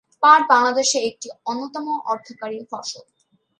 পাট বাংলাদেশের একটি অন্যতম অর্থকরী ফসল।